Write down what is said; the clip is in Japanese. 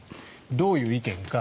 どういう意見か。